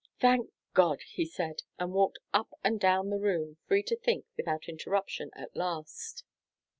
"Thank God!" he said and walked up and down the room, free to think without interruption at last.